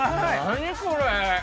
何これ！